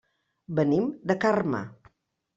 Venim de Carme.